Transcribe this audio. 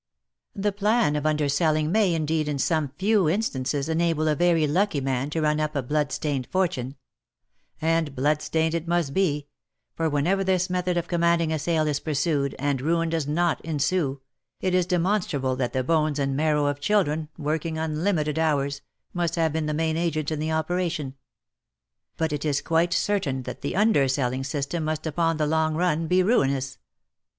The plan of under selling may indeed in some few instances enable a very lucky man to run up a blood stained fortune ; and blood stained it must be, for whenever this method of commanding a sale is pursued, and ruin does not ensue, it is demonstrable that the bones and marrow of chil dren, working unlimited hours, must have been the main agent in the operation. But it is quite certain that the underselling system must upon the long run be ruinous.